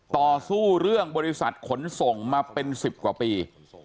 ต่อสู้เรื่องบริษัทขนส่งมาเป็น๑๐กว่าปี